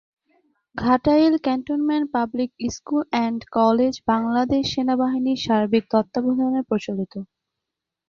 Ghatail cantonment public school and college Bangladesh সেনাবাহিনীর সার্বিক তত্ত্বাবধানে পরিচালিত।